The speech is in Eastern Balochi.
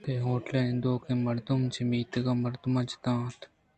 اے ہوٹل ءِ نندوکیں مردم چہ میتگ ءِ مردماں جتا اِت اَنت